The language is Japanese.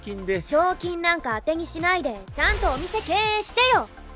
賞金なんか当てにしないでちゃんとお店経営してよ！